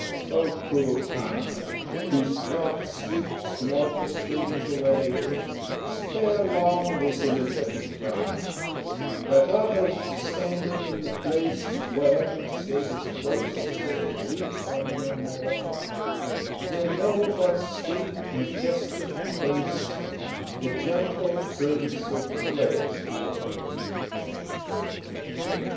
O cruel Time, Whose breath sweeps mortal things away, Spare long this image of his prime, That others standing in the place Where, save as ghosts, we come no more, May know what sweet majestic face The gentle Prince of Players wore!